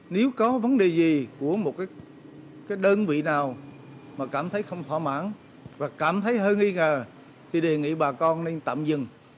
nếu có vấn đề gì của một đơn vị nào mà cảm thấy không thỏa mãn và cảm thấy hơi nghi ngờ thì đề nghị bà con nên tạm dừng